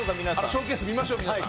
ショーケース見ましょう皆さん。